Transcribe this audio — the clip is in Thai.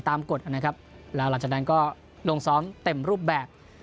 ตามกฎและหลังจากนั้นก็ลงซ้อมเต็มรูปแบบ